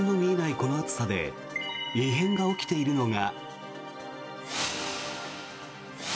この暑さで異変が起きているのが。